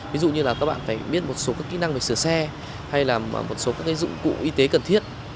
ví dụ như là các bạn phải biết một số các kỹ năng về sửa xe hay là một số các dụng cụ y tế cần thiết